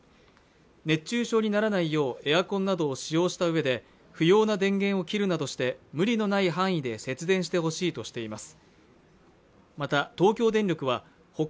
熱中症にならないようエアコンなどを使用したうえで不要な電源を切るなどして無理のない範囲で節電してほしいとしています